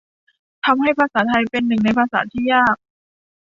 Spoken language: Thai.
ทำให้ภาษาไทยเป็นหนึ่งในภาษาที่ยาก